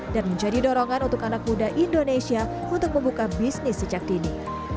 dan menjadi dorongan untuk anak muda indonesia untuk membuka bisnis sejak dini